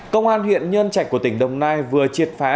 công an huyện nhân trạch của tỉnh đồng nai vừa triệt phá